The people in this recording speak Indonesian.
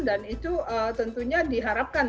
dan itu tentunya diharapkan